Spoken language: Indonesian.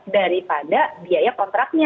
daripada biaya konsumennya